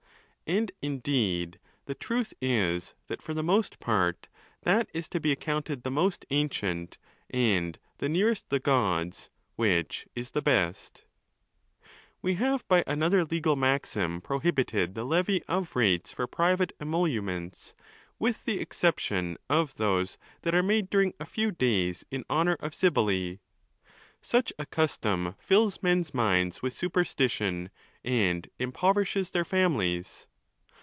And indeed the' truth is, that for the most part that is to be accounted the most ancient and the nearest the gods which is the best, We have by another legal maxim prohibited the levy of rates for private emoluments, with the exception of those that are made during a few days in honour of Cybele. Such a custom fills men's mind with superstition, and impoverishes their families.